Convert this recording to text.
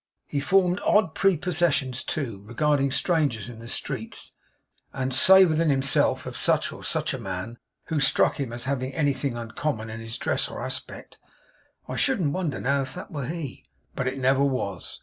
He formed odd prepossessions too, regarding strangers in the streets; and would say within himself of such or such a man, who struck him as having anything uncommon in his dress or aspect, 'I shouldn't wonder, now, if that were he!' But it never was.